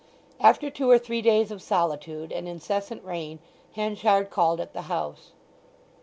After two or three days of solitude and incessant rain Henchard called at the house.